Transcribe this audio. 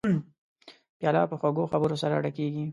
پیاله په خوږو خبرو سره ډکېږي.